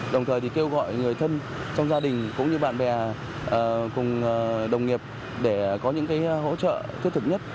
đồng thời thì kêu gọi người thân trong gia đình cũng như bạn bè cùng đồng nghiệp để có những hỗ trợ thiết thực nhất